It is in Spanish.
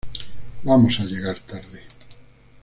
Vamos a llegar tarde."".